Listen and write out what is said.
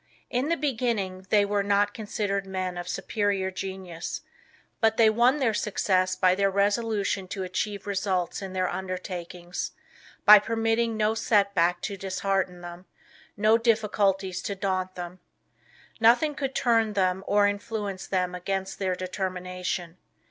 In the beginning they were not considered men of superior genius, but they won their success by their resolution to achieve results in their undertakings by permitting no set back to dishearten them; no difficulties to daunt them. Nothing could turn them or influence them against their determination.